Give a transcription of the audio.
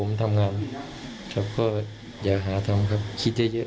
โค้งหนักบ้างมั้ย